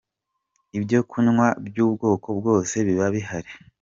Ibyo kunywa by'ubwoko bwose biba bihari.